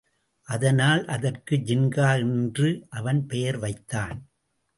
அதனால் அதற்கு ஜின்கா என்று அவன் பெயர் வைத்தான்.